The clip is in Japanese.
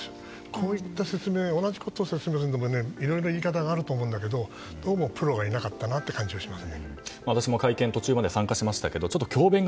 こういった説明同じことを説明するにも言い方があると思うけどどうもプロがいなかったという感じはします。